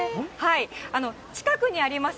近くにあります